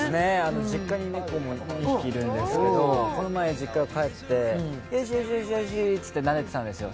実家に猫も２匹いるんですけど、この前、実家に帰って、ヨシヨシヨシヨシってなでてたんですよ。